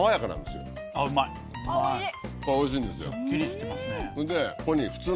すっきりしてますね。